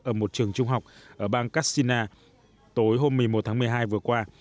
ở một trường trung học ở bang kassina tối hôm một mươi một tháng một mươi hai vừa qua